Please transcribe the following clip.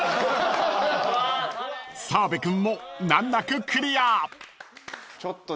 ［澤部君も難なくクリア］